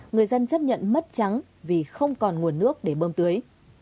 người dân chấp nhận mất trắng vì không còn nguồn nước để bơm tưới